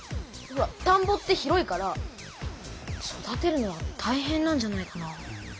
ほらたんぼって広いから育てるのはたいへんなんじゃないかな。